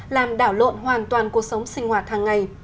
làm đảo lộn hoàn toàn cuộc sống sinh hoạt hàng ngày